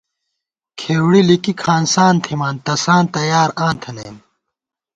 کھېؤڑی لِکِک ہانسان تھِمان تساں تیار آں تھنَئیم